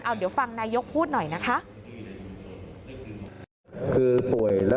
เดี๋ยวฟังนายกพูดหน่อยนะคะ